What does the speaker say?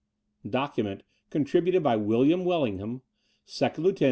IV DOCUMENT Contributed by William Wellingham, 2nd Lieut.